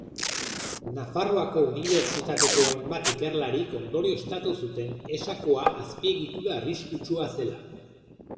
Nafarroako Unibertsitateko hainbat ikerlarik ondorioztatu zuten Esakoa azpiegitura arriskutsua zela.